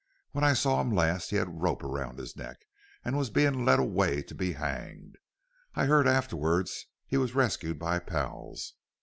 When I saw him last he had a rope round his neck an' was bein' led away to be hanged. I heerd afterward he was rescued by pals.